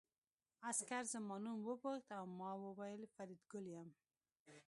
عسکر زما نوم وپوښت او ما وویل فریدګل یم